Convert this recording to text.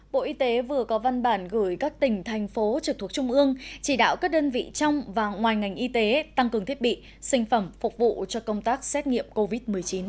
bộ y tế vừa có văn bản gửi các tỉnh thành phố trực thuộc trung ương chỉ đạo các đơn vị trong và ngoài ngành y tế tăng cường thiết bị sinh phẩm phục vụ cho công tác xét nghiệm covid một mươi chín